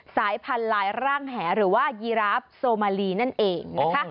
สายพันธุ์ลายร่างแหหรือว่ายีราฟโซมาลีนั่นเองนะคะ